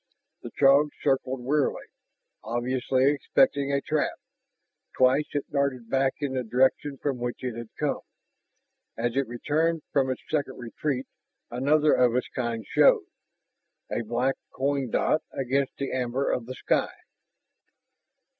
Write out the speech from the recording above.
The Throg circled warily, obviously expecting a trap. Twice it darted back in the direction from which it had come. As it returned from its second retreat, another of its kind showed, a black coin dot against the amber of the sky.